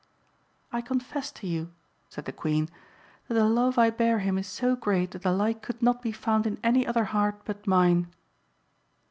"I confess to you," said the Queen, "that the love I bear him is so great that the like could not be found in any other heart but mine."